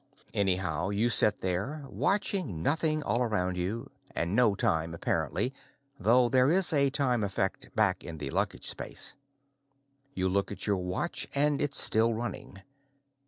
Anyhow, you sit there, watching nothing all around you, and no time, apparently, though there is a time effect back in the luggage space. You look at your watch and it's still running.